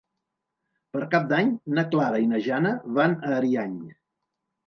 Per Cap d'Any na Clara i na Jana van a Ariany.